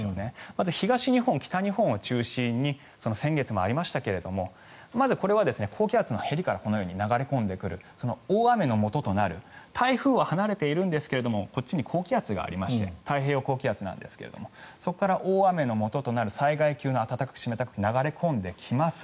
まず東日本、北日本を中心に先月もありましたがまずこれは、高気圧のへりからこのように流れ込んでくる大雨のもととなる台風は離れているんですがこっちに高気圧がありまして太平洋高気圧なんですがそこから大雨のもととなる災害級の暖かく湿った空気が流れ込んできます。